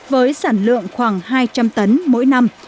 với sản lượng khoảng hai trăm linh tấn mỗi năm